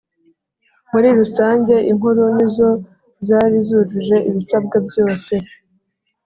Muri rusange inkuru nizo zari zujuje ibisabwa byose